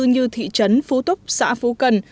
như thị trấn phú túc xã phú cần